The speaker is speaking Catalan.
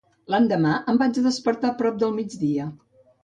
L'endemà em vaig despertar prop del migdia.